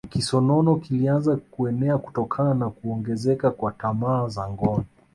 Kisonono kilianza kuenea kutokana na kuongezeka kwa tamaa za ngono